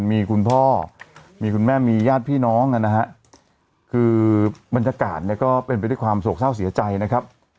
มีคุณพ่อมีคุณแม่มีญาติพี่น้องนะฮะคือบรรยากาศเนี่ยก็เป็นไปด้วยความโศกเศร้าเสียใจนะครับ